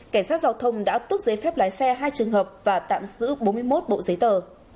cảnh sát giữ bốn mươi một bộ giấy tờ